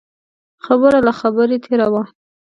خبره له خبرې تېره وه.